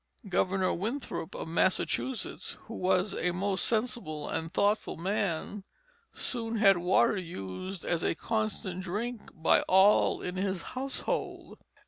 Governor Winthrop of Massachusetts, who was a most sensible and thoughtful man, soon had water used as a constant drink by all in his household.